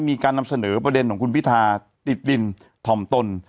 มีการนำเสนอประเด็นของคุณพิธาติดดินถ่อมตน